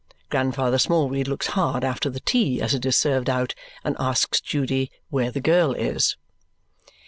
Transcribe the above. Grandfather Smallweed looks hard after the tea as it is served out and asks Judy where the girl is.